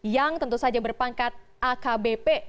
yang tentu saja berpangkat akbp